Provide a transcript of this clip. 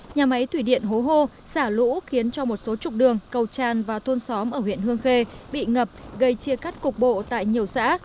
nhà máy thủy điện hố hô xả lũ khiến cho một số trục đường cầu tràn và thôn xóm ở huyện hương khê bị ngập gây chia cắt cục bộ tại nhiều xã